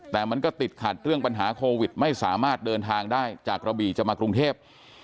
แต่มันก็ติดขัดเรื่องปัญหาโควิดไม่สามารถเดินทางได้จากกระบี่จะมากรุงเทพ